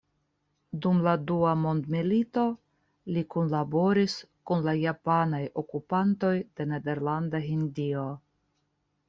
Dum la Dua mondmilito li kunlaboris kun la japanaj okupantoj de Nederlanda Hindio.